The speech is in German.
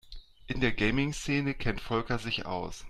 In der Gaming-Szene kennt Volker sich aus.